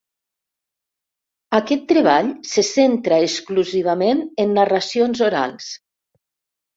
Aquest treball se centra exclusivament en narracions orals.